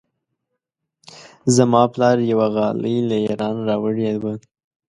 زما پلار یوه غالۍ له ایران راوړې وه.